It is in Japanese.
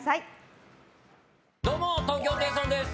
どうも、東京ホテイソンです。